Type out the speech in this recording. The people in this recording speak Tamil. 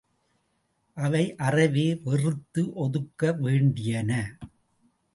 அவை அறவே வெறுத்து ஒதுக்க வேண்டியன.